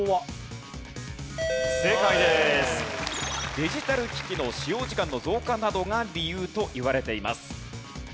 デジタル機器の使用時間の増加などが理由といわれています。